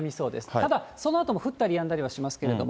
ただ、そのあとも降ったりやんだりはしますけれども。